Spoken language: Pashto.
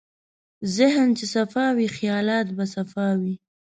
ذهن چې صفا وي، خیالات به صفا وي.